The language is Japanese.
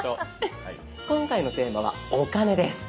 今回のテーマは「お金」です。